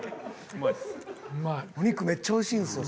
お肉めっちゃ美味しいんですよ